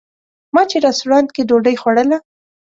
ما چې رسټورانټ کې ډوډۍ خوړله.